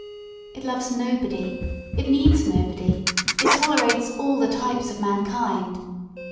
It loves nobody, it needs nobody; it tolerates all the types of mankind.